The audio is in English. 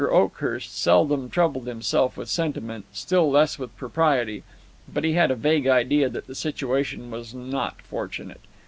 Oakhurst seldom troubled himself with sentiment, still less with propriety; but he had a vague idea that the situation was not fortunate.